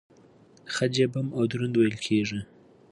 خج يې بم او دروند وېل کېږي.